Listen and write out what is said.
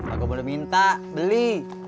aku belum minta beli